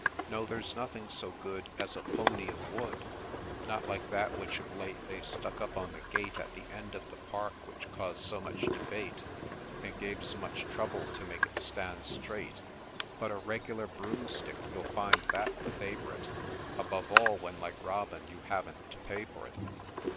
No ; there 's nothing so good As a pony of wood — Not like that which, of late, they stuck up on the gate At the end of the Park, which caused so much debate, And gave so much trouble to make it stand straight, — But a regular Broomstick — you'll find that the favourite — Above all, when, like Robin, you haven't to pay for it.